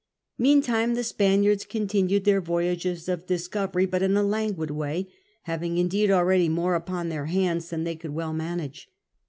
Meantime the Spaniards continued their voyages of discovery, but i^ languid way, having indeed already more upon their hands than they could Avell manage.